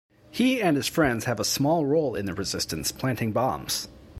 He and his friends have a small role in the Resistance planting bombs.